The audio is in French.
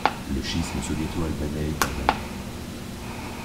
Le schisme soviéto-albanais est entamé.